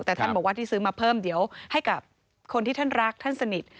เป็นโชว์ให้กับคนที่ท่านรักท่านสนิท